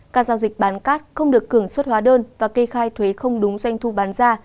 các giao dịch bán cát không được cường xuất hóa đơn và kê khai thuế không đúng doanh thu bán ra